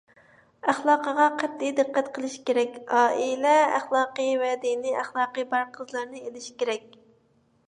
ئەخلاقىغا قەتئىي دىققەت قىلىش كېرەك، ئائىلە ئەخلاقى ۋە دىنىي ئەخلاقى بار قىزلارنى ئېلىش كېرەك.